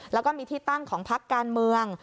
แล้วก็มีที่ตั้งของพักการเมือง